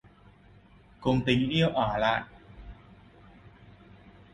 Cùng tình yêu ở lại...